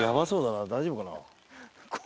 大丈夫かな。